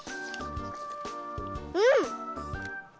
うん！